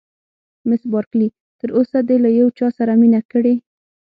مس بارکلي: تر اوسه دې له یو چا سره مینه کړې؟